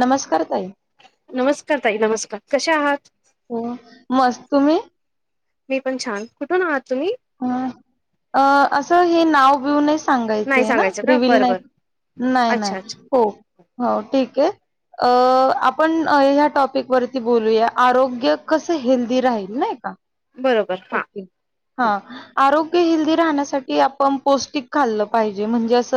नमस्कार ताई नमस्कार ताई नमस्कार. कश्या आहात हो मस्त तुम्ही मी पण छान कुठून आहात तुम्ही ह अ असं हे नावबिव सांगायच नाही ना सांगायचं का रिल बरं ना बर नाही नाही अच्छा अच्छा हो. हो ठीक आहे. अ आपण ह्या टॉपिक वरती बोलूया आरोग्य कसं हेल्दी राहील नाही का? बरोबर हा. ओके हा आरोग्य हेल्दी राहण्यासाठी आपण पौष्टिक खाल्लं पाहिजे म्हणजे अस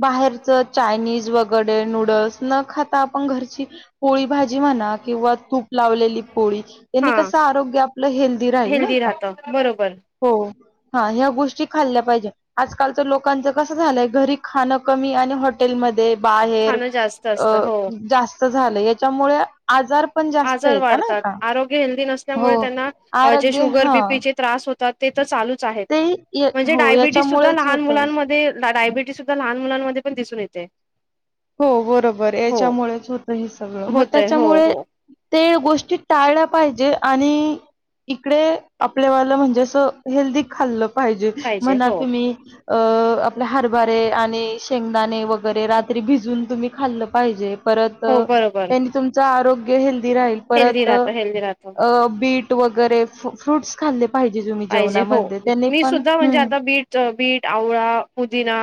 बाहेरच चायनीज वगैर ते नूडल्स न खाता आपण घरची पोळी भाजी म्हणा किंवा तूप लावलेली पोळी यांनी हां कस आरोग्य आपलं हेल्दी राहील नाही का राहतं बरोबर हो हा गोष्टी खाल्ल्या पाहिजे आज काल लोकांच कस झालंय घरी खाण कमी आणि हॉटेल मध्ये बाहेर खाणं जास्त अ असतं हो जास्त झालं याच्यामुळे आजार पण जास्त आजार येत नाही वाढतात का आरोग्य हेल्दी हो नसल्यामुळे त्यांना जे आरोग्य शुगर हा बीपीचे त्रास हो तर ते तर चालूच चाहेत ते म्हणजे हो डायबिटीझ सुद्धा याच्यामुळेच लहान होत मुला मध्ये डायबेट सुद्धा लहान मुलांमध्ये पण दिसून येते हो बरोबर हो याच्यामुळेच होतं हे सगळं मग होतय हो त्याच्यामुळे हो ते गोष्टी टाळल्या पाहिजे. आणि इकडे आपल्या ला म्हणजे असं हेल्दी खाल्लं पाहिजे. म्हणा की म्ही अ आपल्या हरभारे आणि शेंगदाणे वगैरे तरी भिजून तुम्ही खाल्लं पाहिजे. परत हो बरोबर त्यांनी तुमच आरोग्य गेहेल हेल्दी परत राहतं हेल्दी राहतं बीट वगैरे फ्रूटस खाल्ले पाहिजे तुम्ही पाहिजे हो जेवणामध्ये त्यांनी मी पण सुद्धा म्हणजे हम्म आता बीट-बीट, आवळा, पुदिना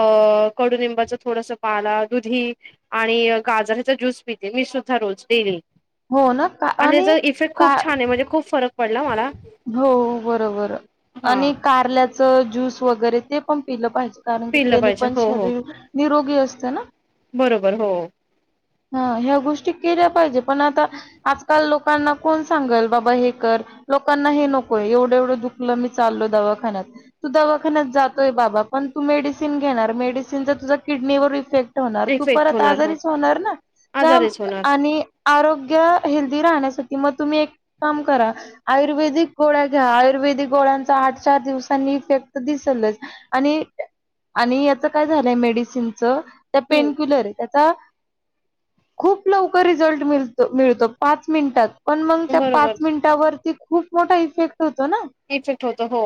अ कडूनिंबाचं थोडंसं मला दुधी आणि गाजराचा ज्यूस पिते मी सुद्धा रोज डेली‌. हो ना का आणि त्याचा आणि इफेक्ट का खूप छान आहे म्हणजे खूप फरक पडला मला. बर बर हा आणि कारल्याच ज्यूस वैगरे ते पण पिलं पाहिजे. कारनकी पिलं त्यानी पाहिजे पण हो हो शरीर निरोग असतं ना? बरोबर हो. हा ह्या गोष्टी केल्या पाहिजेत पण आता आजकाल लोकांना कोण सांगल बाबा हे कर लोकांना हे नकोय एवढं एवढं दुखलं मी चालो दवाखान्यात तू दवाखान्यात जातोय बाबा पण तू मेडिसिन घेणार मेडिसिनचा तुझा किडनीवर इफेक्ट होणार तू इफेक्ट परत होणार हो आजारीच होणार ना आजारीच [unintelligible] होणार आणि आरोग्य हेल्दी राहण्यासाठी म तुम्ही एक काम करा आयुर्वेदिक गोळ्या घ्या. आयुर्वेदिक गोळ्यांचा आठ चार दिवसांनी इफेक्ट दिसेलच. आणि आणि याच काय झालंय मेडिसिनच त्या हम्म पेनक्युलर ये त्याचा खूप लवकर रिझल्ट मिलतो मिळतो पाच मिनिटात पण मंग त्या पाच बरोबर मिनिटावरती खूप मोठा इफेक्ट होतो ना? इफेक्ट होतो हो.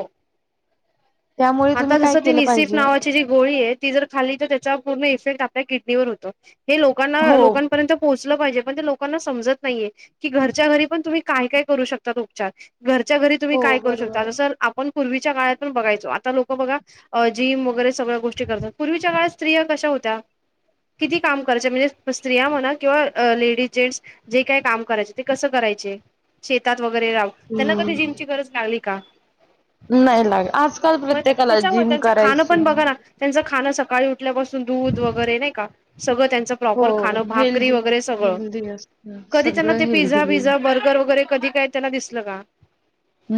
त्यामुळे आता तुम्ही काय जसं ती केलं निसिफ पाहिजे नावाची जी गोळी आहे. ती जर खाली तर त्याच्यावर पूर्ण इफेक्ट आप किडनीवर होतो. हे लोकांना हो. लोकांपर्यंत पोहोचलं पाहिजे. पण ते लोकांना समजत नाहीये की घरच्या घरी पण तुम्ही काय काय करू शकतात उपचार. घरच्या घरी तुम्ही हो काय करू शकता. बरोबर. जसं आपण पूर्वीच्या काळात पण बघायचो आत ता लोक बघा जिम वगैरे सगळ्या गोष्टी करतात. पूर्वीच्या काळात स्त्रिया कशा होत्या? किती काम करायच्या.? म्हणजे स्त्रिया म्हणा किंवा लेडीज जेंट्स जे काय काम करायचे ते कस करायचे. शेतात वगैरे जाऊन त्यांना कधी हम्म जिमची गरज लागली का नाही लाग आज म त्याच्यामुळे त्यांचं खांण पण बघा ना त्यांच खाणं सकाळी उठल्यापासून दूध वगैरे नाही का? सगळं त्यांच हो प्रॉपर खाणं भाकरी हेल्दी वगैरे सगळं हेल्दी असतं कधी त्यांना सगळं ते पिझ्झा हेल्दी. पिझझा बर्गर वगैरे कधी काय त्यांना दिसल का?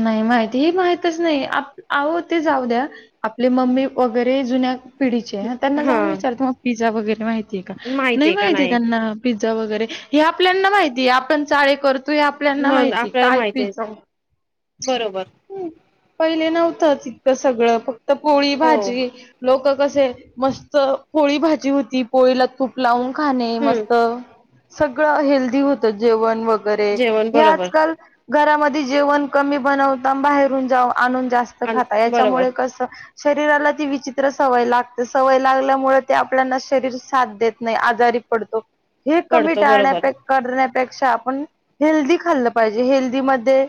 नाही माहिती हे माहितच नाही आप आहो ते जाऊ द्या आपली मम्मी वगैरे जुन्या पिढीचे हा त्यांना जाऊन विचारतो मग पिझ्झा वगैरे माहितीे का नाही माहितीय का माहिती त्यांना पिझ्झ झा वगैरे हे आपल्याना माहितीय आपण चाळे कर तोय आपल्याना मग माहिती आपल्याला काय माहिती आहे पिझ्झा बरोबर. हम्म. पहिले नव्हतंचं इतकं सगळं फक् त पोळी हो भाजी लोक कस मस्त पोळी भाजी होती. पोळीला तूप लावून खाणे हम्म मस्त सगळं हेल्थी होतं जेवण वग गैरे जेवण हे बरोबर आजकाल घरामध्ये जेवण कमी बनवता न बाहेरून जावा आणून जास्त खाता, बरोबर याच्यामुळे कस शरीराला ती विचित्र सवय लागते. सवय लागल्यामुळे ते आपल्या ना शरीर साथ देत नाही, आजारी पडतो. हे कमी पडतो टाळण्या बरोबर पेक करण्या पेक्षा आपण हेल्दी खाल्लं पाहिजे. हेल्दी मधे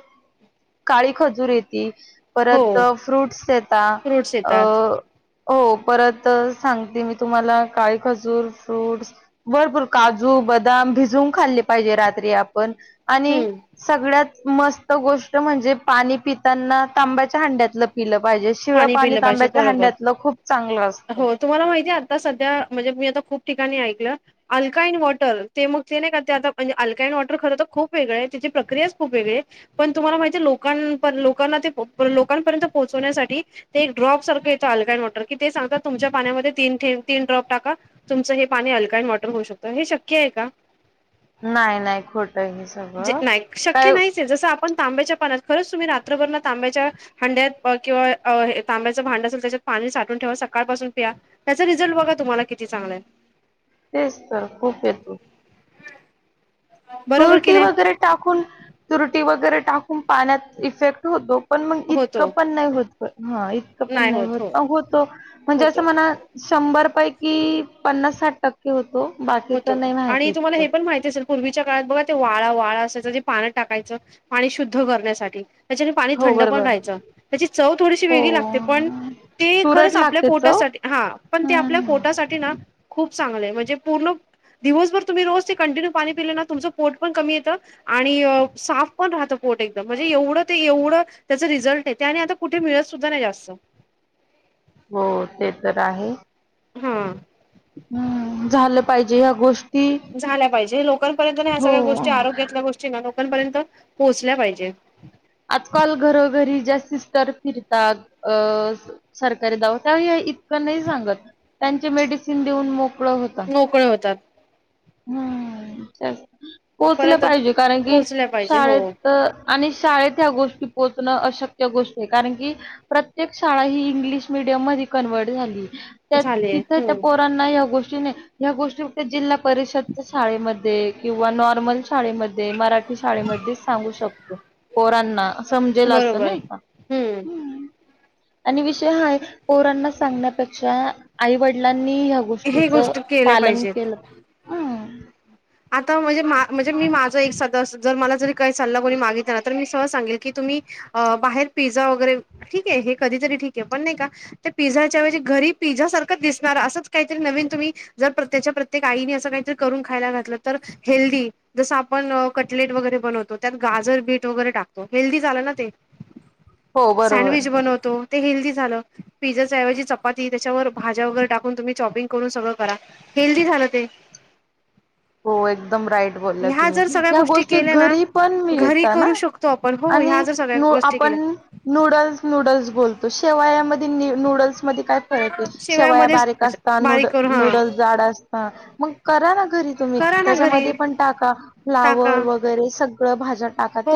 काळी खजूर येती. हो परत फ्रूट्स येता फ्रूट्स अ येतात हो, परत सांगते मी तुम्हाला, काळी खजूर, फ्रूट्स भरपूर काजू, बदाम भिजून खाल्ले पाहिजे, रात्री आपण. आणि हम्म सगळ्यात मस्त गोष् ष्ट म्हणजे पाणी पिताना, तांब्याच्या हांड्यातलं पिलं पाहिजे, शिळ पाणी पिलं पाहिजे तांब्याच्या बरोबर हांड्यातलं खूप चांगलं असत. हो तुम्हाला माहिती आहे आता सध्या म्हणजे मी आता खूप ठिकाणी ऐकलं, अल्काइन वॉटर ते मग ते नाही का ते आता म्हणजे, अल्काइन वॉटर खरं तर खूप वेगळं आहे. त्याची प्रक्रियाच खूप वेगळी आहे. पण तुम्हाला माहितीे लोकां पर्यं लोकांना ते लोकांपर्यंत पोहोचवण्यासाठी, ते एक ड्रॉप सारखं येतं, अल्काइन वॉटर कि ते सांगतात, तुमच्या पाण्यामध्ये ती तीन ड्रॉप टाका तुमचं हे पाणी अल्काइन वॉटर होऊ शकतं. हे शक्य आहे का? नाही -नाही, खोट हे सगळं काय पण तांब्याच्या पाना खरंच तुम्ही रात्रभर ना तांब्याच्या, हांड्यात किंवा पण अ हे तांब्याचं भांड असेल, त्याच्यात पाणी साठून ठेवा सकाळपासून प्या. त्याचा रिझल्ट बघा तुम्हाला किती चांगलं आहे. तेच तर खूप येतो. बरोबर की तुरटी नाही वगैरे टाकून, तुरटी वग गैरे टाकून पाण्यात इफेक्ट होतो. पण मग, होतो इतकं पण नाही होत. हा इतकं पण नाही होत प होतो. म्हणजे असं होतो म्हणा शंभर पैकी पन्नास - साठ टक्के होत होतो आणि तुम्हाला हे पण माहिती असेल पूर्वीच्या बघा ते वाळा, वाळा असायचा जे पानं टाकायचं, पाणी शुद्ध करण्यासाठी. त्याच्याने पाणी हो थंड पण बरोबर राहायचं. त्याची चव थोडीशी हो वेगळी लागते पण, ते तुरट खरंच आपल्या लागते चव पोटासाठी, हा पण ते आपल्या हम्म पोटासाठी ना खूप चांगलंय म्हणजे पूर्ण दिवसभर तुम्ही रोज ते कंटिन्यू पाणी पिले ना, तुमचं पोट पण कमी येतं आणि साफ पण राहतं. पोट एकदम म्हणजे एवढं ते एवढं, त्याच रिझल्ट आहे. ते आणि आता कुठे मिळत सुद्धा नाही जास्त. हो ते तर आहे. हा. हम्म झालं पाहिजे ह्या गोष् झाल्या पाहिजे. लोकांपर्यंत ह्या सगळ्या हो गोष्टी आरोग्यातल्या गोष्टीना लो कापर्यंत पोहोचल्या पाहिजे. आजकाल घरोघरी ज्या सिस्टर फिरतात. अ सरकारी दवा त्या इतकं नाही सांगत, त्यांचे मेडिसिन देऊन मोक मोकळे होतात हम्म ते पोहोचलं परत पाहिजे कारण की पोहोचल्या पाहिजे हो शाळेत आणि शाळेत ह्या गोष्टी पोहोचणं अशक्य गोष्ट आहे कारण की प्रत्येक शाळा ही इंग्लिश मिीडियम मध्ये कन्व्हर्ट झाली त्या झाले तिथे त्या हम्म पोरां नाही अगो या गोष्टी जिल्हा परिषदच्या शाळेमध्ये किंवा नॉर्मल शाळेमध्ये मराठी शाळेमध्ये सांगू शकतो पोरांना समजेल असं बरोबर नाही का हम्म आणि विषय हा पोरांना सांगण्यापेक्षा आई वडलां ह हे गोष्टीच गोष्ट केल्या पालन पाहिजेत केलं हम्म. आता म्हणजे मा म्हणजे मी माझं एक सदस जर मला जरी काही चालला कोणी मागित ना तर मी सहज सांगेल की तुम्ही बाहेर पिझ्झा वगैरे ठीके हे कधीतरी ठीक आहे पण नाही का ते पिझ्झाच्या वेजी घरी पिझ्झा सारखं दिसणार असंच काहीतरी नवीन तुम्ही जर प्रत्येकच्या प्रत्येक आईने असं काहीतरी करून खायला घातलं तर हेल्दी जस आपण कटलेट वगैरे बनवतो त्यात गाजर, बीट वगैरे टाकतो हेल्दी झालं ना ते हो बरोबर सँडविच बनवतो ते हेल्दी झालं पिझ्झाच्याऐवजी चपाती त्याच्यावर भाज्या वगैरे टाकून तुम्ही चॉपिंग करून सगळं करा हेल्दी झालं ते हो एकदम राईट बोलला ह्या जर तुम्ही सगळ्या या्या गोष्टी केल्या ना घरी पण घरी मिळता ना करू शकतो आपण हो ह्या आणि जर सगळ्या नू गोष्टी आपण केल्या नूडल्स नूडल्स बोलतो शेवयामध्ये न नूडल्समध्येध्ये काय फरक आहे शेवया शेवयामध्येच बारीक असता नूड बारीक करू हा नूडल्स जाड असता मग करा ना घरी करा ना घरी त्याच्यामध्ये पण टाका फ्लावर टाका वगैरे सगळं दहा हजार हो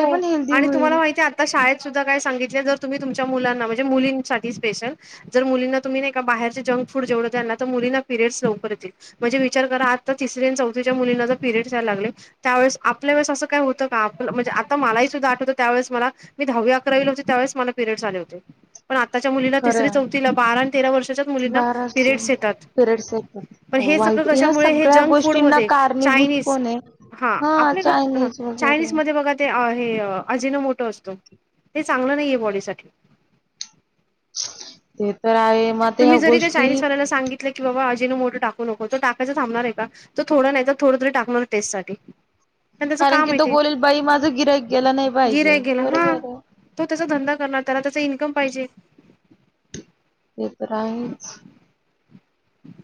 आणि तुम्हाला माहिती आहे आता शाळेत सुद्धा काय सांगितलं जर तुम्ही तुमच्या मुलांना म्हणजे मुलींसाठी स्पेशल, जर मुलीं तुम्ही ए बाहेरचे जंक फूड जेवढ द ना तर मुलींना पिरियडस लवकरतील म्हणजे विचार करा आता तिस चौथच्या मुलींना जर पिरिडयला लागले त्यावेळे आपल्याळेस अस काय होत का? म्हणजे आता मलाही सुद्धा आठवतं त्यावेळे मला मी दहावी अकरावी लाव होते त्यावेळेस मला पिरियड्स आले होते. पण आताच्या मुलींना तिसरी खरं चौथीला बारा आणि तेरा वर्षाच्याच मुलींना बारा पिरियड्स येतात. येतात पण हे सगळं वाईट ह्या कशामुळे हे सगळ्या जंक फूड म गोष्टींना कारणीभूत चायनीज, कोण आहे हा आपले चायनीज वगैरे चायनीज. मध्ये बघा ते आहे हे अजीनोमोटो असतो हे चांगलं नाही आहे बॉडीसाठी. ते तर आहे. मात ह्या गोष्टी मोठे टाकू नको टाकायच थांबणार आहे का? तो थोड नाही थोड तरी टाकणार टेट साठी. प त्याच कारण का की तो माहिती आहे. बोलेल बाई माझं गिरक गेला नाही पाहिजे. बरोबर आहे. धंद करणार. त्या त्या इन्कम पाहिजे. ते तर आहेच हम्.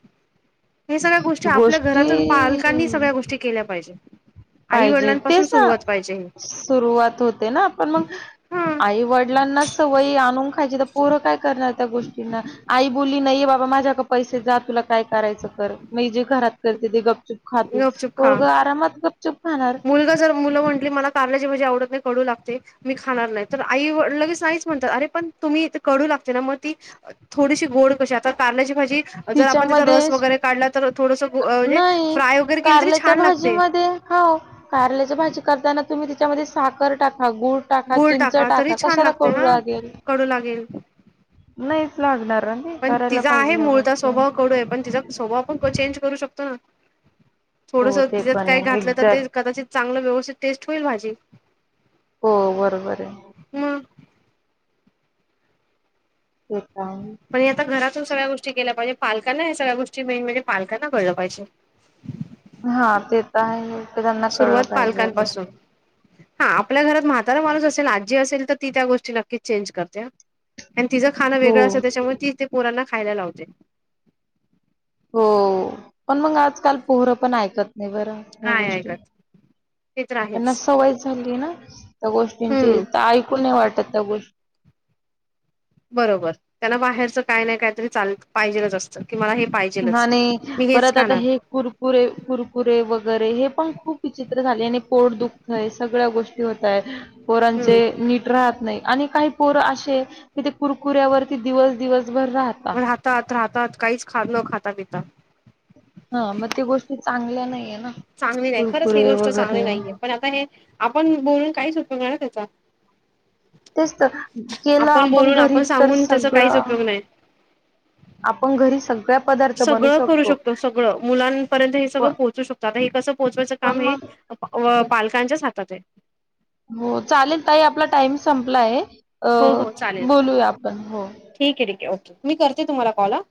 हे सगळ्या गोष्टी आपल्या घरातून पालकांनी सगळ्या गोष्टी केल्या पाहिजे. आई पाहिजे वडिलांपासून तेच ना, सुरुवात पाहिजे सुरुवात होते ना? पण मग हा आई वडिलांना सवयी आणून खायची तर पोरं काय करणार त्या गोष्टींना आई बोली नाहीे बाबा माझ्या पैसे, जा तुला काय करायचं कर मी जे घरात करते ते गप् चुप खाती गपचुप खा पोरग आरामातप गपचुप मुलगा जर मुलं म्हटली मला कारलाची म्हणजे आवडत नाही. कडू लागते मी खाणार नाही, तर आई लगेच नाहीच म्हणतात अरे पण तुम्ही कडू लागते ना मग ती थोडीशी गोड कशी आता कारल्याची भाजी जर आपण तिथं तिच्यामध्ये रस वगैरे काढला तर थोडस जे नाही कारल्याच्या भाजी मध्ये, हो कारल्याच्या भाजी करताना तुम्ही त्याच्यामध्ये साखर टाक गूळ टाका. गुळ चिंच तरी टाका. छान कशाला लागते कडु हा लागेल? कडू लागेल नाही. लागणार. ना ते पण करायला तिचा आहे. पाहिजे ह्या मुळता गोष्टी. स्वभाव कडू आहे, पण तिचा स्वभाव आपण चेंज करू शकतो. ह. थोडस हो ते त्याच्यात पण काय आहे घातलं तर ते एक्झॅक्ट. कदाचि. त चांगलं व्यवस्थित टेस्ट होईल भाजी हो बरोबर आहे. मग घेतान. पण हे आता घरातून सगळ्या गोष्टी केल्या पाहिजे. पालकांना हे सगळ्या गोष्टी, मेन म्हणजे पालकांना कळलं पाहिजे. हा ते तर आहे. ते त्यांना कळलं सुरुवात पाहिजे अगं पालकांपासून. हा आपल्या घरात म्हातारा माणूस असेल, आजी असेल तर ती त्या गोष्टी नक्कीच चेंज करते. आणि तिचं खांण हो वेगळं असत त्याच्यामुळे तीच ते पोरांना खायला लावते हो पण मग आजकाल पोरं पण ऐकत नाही बरा ह्या हाय हाय गोष्टी करते ते तर त्यांना आहेच. सवय झाली आहे ना त्या गोष्टींची हम्म तर ऐकून नाही वाटतत त्या गोष्टी बरोबर त्यांना बाहेरच काय नाही कायतरी चाल पाहिजेच असतं की मला हे पाहिजेलच. आणि मी हेच परत आता खाणार हे कुरकुरे कुरकुरे वगैरे हे पण खूप विचित्र झाले आणि पोट दुखतय सगळ्या गोष्टी होतायत पोरांचे हम्म नीट राहत नाही आणि काही पोर असे तिथे कुरकुऱ्यावरती दिवस दिवस पण राहतात काहीच न खात पिता हा मग ते गोष्टी चांगल्या नाहीये ना चांगली नाही खरंच ही कुरकुरे गोष्ट चांगली वगैरे नाहीये पण आता हे आपण बोलून काहीच उपयोग नाही ना का तेच तर गेलं आपण घरी तर सांगून त्याचा काहीच सगळं उपयोग नाही. आपण घरी सगळ्या पदार्थ बनवू सगळं करू शकतो सगळं मुलांपर्यंत हे प सगळं पोहोचू शकतो आता हे कसं पोहोचवायचं पण काम हे मग पालकांच्याच हातात आहे. हो चालेल ताई आपला टाइम संपला आहे. हो हो अ चालेल बोलूया आपण हो. ठीक आहे ठीक आहे ओके मी करते तुम्हाला कॉल आ -